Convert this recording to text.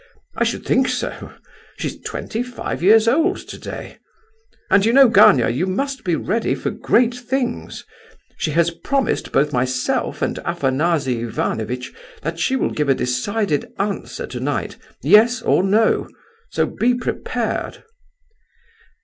I should think so! She's twenty five years old today! And, you know, Gania, you must be ready for great things; she has promised both myself and Afanasy Ivanovitch that she will give a decided answer tonight, yes or no. So be prepared!"